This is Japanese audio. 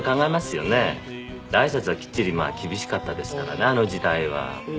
挨拶はきっちり厳しかったですからねあの時代は。